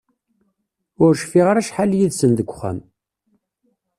Ur cfiɣ ara acḥal yid-sen deg uxxam.